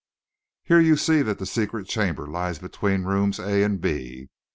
] Here you see that the secret chamber lies between the rooms A and B.